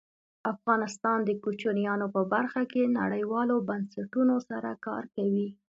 افغانستان د کوچیانو په برخه کې نړیوالو بنسټونو سره کار کوي.